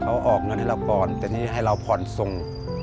เขาออกเงินให้เราก่อนแต่นี่ให้เราผ่อนส่ง